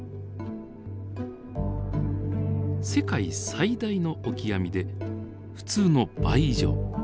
世界最大のオキアミで普通の倍以上。